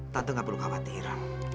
tante gak perlu khawatir